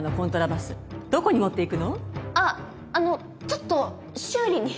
あっあのちょっと修理に。